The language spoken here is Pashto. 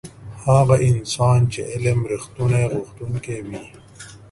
هغه انسان چې علم رښتونی غوښتونکی وي.